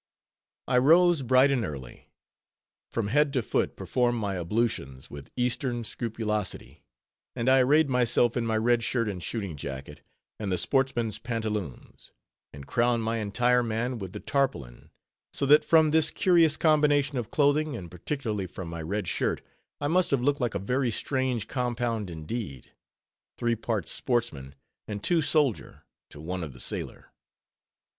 I rose bright and early; from head to foot performed my ablutions "with Eastern scrupulosity," and I arrayed myself in my red shirt and shooting jacket, and the sportsman's pantaloons; and crowned my entire man with the tarpaulin; so that from this curious combination of clothing, and particularly from my red shirt, I must have looked like a very strange compound indeed: three parts sportsman, and two soldier, to one of the sailor.